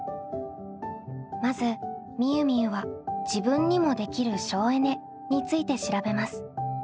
まずみゆみゆは自分にもできる省エネについて調べます。